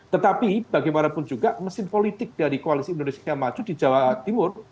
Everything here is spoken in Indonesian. tetapi bagaimanapun juga mesin politik dari koalisi indonesia yang maju di jawa timur